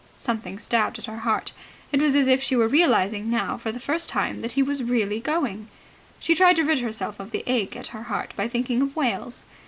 Something stabbed at her heart. It was as if she were realizing now for the first time that he was really going. She tried to rid herself of the ache at her heart by thinking of Wales.